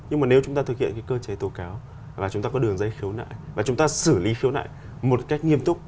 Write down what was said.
nhưng mà nếu chúng ta thực hiện cái cơ chế tố cáo và chúng ta có đường dây khiếu nại và chúng ta xử lý khiếu nại một cách nghiêm túc